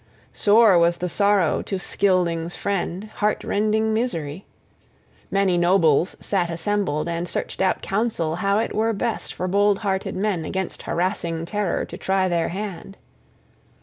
Sore was the sorrow to Scyldings' friend, heart rending misery. Many nobles sat assembled, and searched out counsel how it were best for bold hearted men against harassing terror to try their hand.